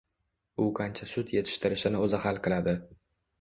U qancha sut yetishtirishni o‘zi hal qiladi.